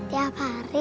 iya mah tiap hari